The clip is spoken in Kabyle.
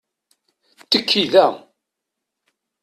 Tekki da.